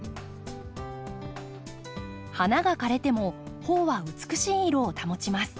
花が枯れても苞は美しい色を保ちます。